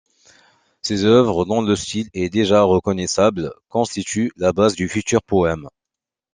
Ces œuvres dont le style est déjà reconnaissable constituent la base du futur poème.